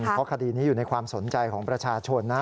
เพราะคดีนี้อยู่ในความสนใจของประชาชนนะ